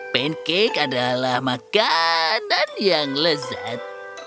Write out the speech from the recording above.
pancake adalah makanan yang lezat